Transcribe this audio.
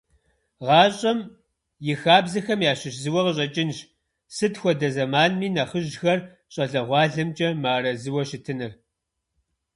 ГъащӀэм и хабзэхэм ящыщ зыуэ къыщӀэкӀынщ, сыт хуэдэ зэманми нэхъыжьхэр щӀалэгъуалэмкӀэ мыарэзыуэ щытыныр.